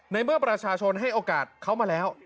ในเมื่อประชาชนให้โอกาสเขามาแล้ว